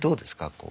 こう。